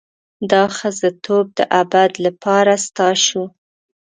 دا ښځتوب د ابد لپاره ستا شو.